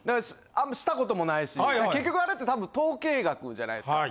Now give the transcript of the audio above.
した事もないし結局あれって統計学じゃないですか。